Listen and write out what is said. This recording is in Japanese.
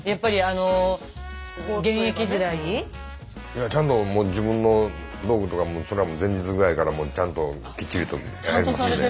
いやちゃんともう自分の道具とかもうそれはもう前日ぐらいからもうちゃんときっちりとやりますんで。